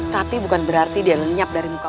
tapi bukan berarti dia lenyap dari muka